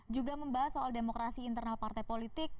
juga membahas soal demokrasi internal partai politik